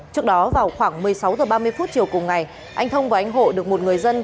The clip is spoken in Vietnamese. trước đó vào khoảng một mươi sáu h ba mươi phút chiều cùng ngày anh thông và anh hộ được một người dân